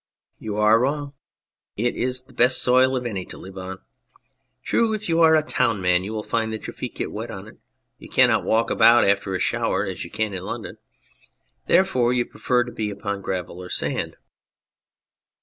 You are wrong. It is the best soil of any to live on. True, if you are a town man you find that your feet get wet on it ; you cannot walk about after a shower as you can in London ; therefore you prefer to be upon gravel or sand.